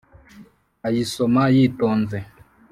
Ayisoma yitonze